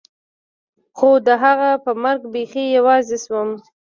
خو د هغه په مرګ بيخي يوازې سوم.